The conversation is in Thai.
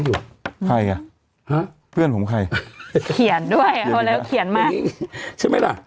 ใครอ่ะฮะเพื่อนผมใครเขียนด้วยเอาแล้วเขียนมานี่ใช่ไหมล่ะ